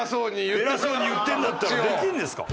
偉そうに言ってるんだったらできるんですか？